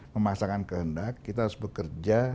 memasangkan kehendak kita harus bekerja